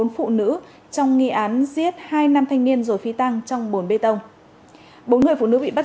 phụ nữ trong nghi án giết hai năm thanh niên rồi phi tăng trong bồn bê tông bốn người phụ nữ bị bắt